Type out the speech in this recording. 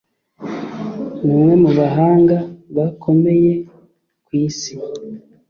Ni umwe mu bahanga bakomeye ku isi